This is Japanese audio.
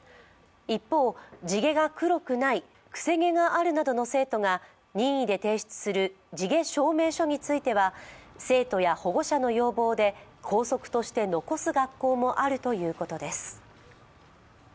一方、地毛が黒くないくせ毛があるなどの生徒が任意で提出する地毛証明書については生徒や保護者の要望で校則として残す学校もあるということです。